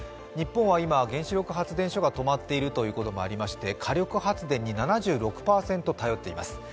日本は今、原子力発電所が止まっていることもあり、火力発電に７６％頼っています。